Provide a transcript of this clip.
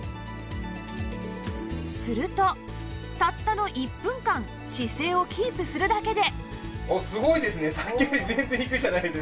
するとたったの１分間姿勢をキープするだけで